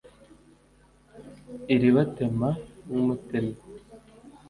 iribatema nk’umutemyi